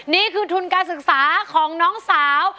นี่คือทุนการศึกษาของน้องสาว